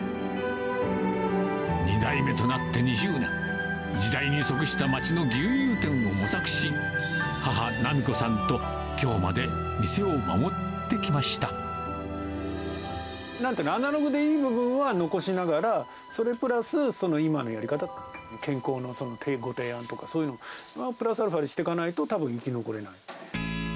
２代目となって２０年、時代にそくした町の牛乳店を模索し、母、奈美子さんときょうまでなんていうの、アナログでいい部分は残しながら、それプラス、今のやり方、健康のご提案とか、そういうのプラスアルファでしていかないとたぶん生き残れない。